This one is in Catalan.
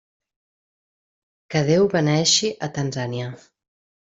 Que Déu beneeixi a Tanzània.